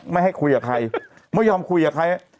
ไม่ให้คุยกับใครไม่ยอมคุยกับใคร